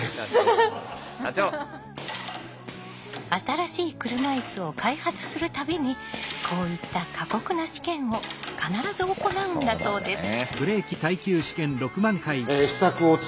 新しい車いすを開発する度にこういった過酷な試験を必ず行うんだそうです。